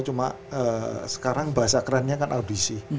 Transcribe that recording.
cuma sekarang bahasa kerennya kan audisi